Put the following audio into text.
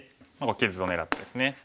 傷を狙ってですね